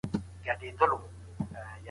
که لاهور د کابل سولو ته اړم وي